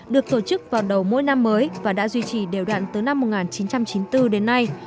được tổ chức vào đầu mỗi năm mới và đã duy trì đều đạn từ năm một nghìn chín trăm chín mươi bốn đến nay